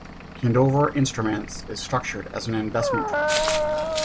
Candover Investments is structured as an investment trust.